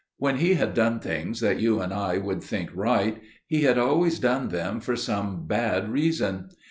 When he had done things that you and I would think right, he had always done them for some bad reason.